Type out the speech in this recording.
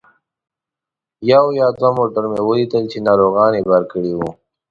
یو یا دوه موټر مې ولیدل چې ناروغان یې بار کړي وو.